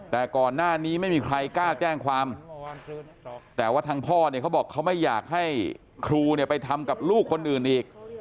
แต่ก่อนหน้านี้ไม่มีใครกล้าแจ้งความแต่ว่าทางพ่อเนี่ยเขาบอกเขาไม่อยากให้ครูเนี่ยไปทำกับลูกคนอื่นอีก